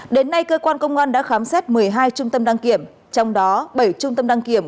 đến nay cơ quan công an đã khám xét một mươi hai trung tâm đăng kiểm trong đó bảy trung tâm đăng kiểm